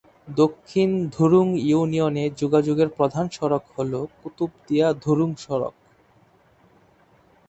দক্ষিণ ধুরুং ইউনিয়নে যোগাযোগের প্রধান সড়ক হল কুতুবদিয়া-ধুরুং সড়ক।